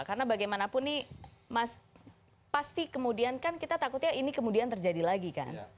karena bagaimanapun nih mas pasti kemudian kan kita takutnya ini kemudian terjadi lagi kan